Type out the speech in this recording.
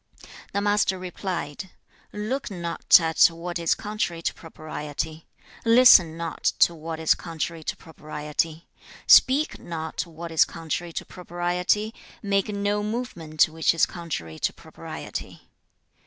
The Master replied, 'Look not at what is contrary to propriety; listen not to what is contrary to propriety; speak not what is contrary to propriety; make no movement which is contrary to propriety.'